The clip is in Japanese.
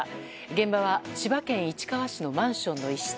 現場は千葉県市川市のマンションの一室。